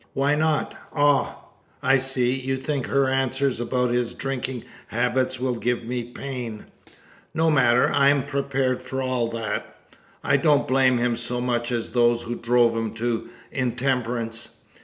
"Why not? Ah! I see; you think her answers about his drinking habits will give me pain. No matter; I am prepared for all that. I don't blame him so much as those who drove him to intemperance.